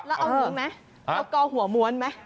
เอาดูไหมเอากหัวมวลไหม